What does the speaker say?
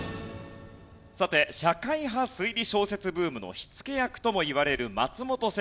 さて社会派推理小説ブームの火付け役ともいわれる松本清張。